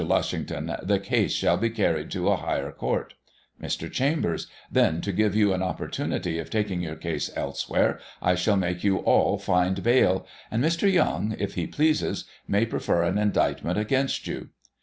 Lushington: The case shall be carried to a higher court Mr. Chambers : Then, to give you an opportunity of taking your case elsewhere, I shall make you all find bail ; and Mr. Young, if he pleases, may prefer an indictment against you.